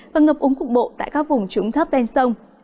và ngập ống khu vực bộ tại các vùng trúng thấp bên sông